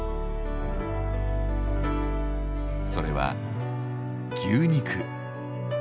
それは牛肉。